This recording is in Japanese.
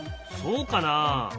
そうかな？